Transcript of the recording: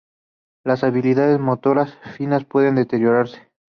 Las habilidades motoras finas pueden deteriorarse.